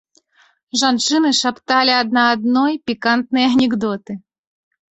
Жанчыны шапталі адна адной пікантныя анекдоты.